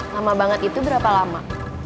lama banget itu berapa lama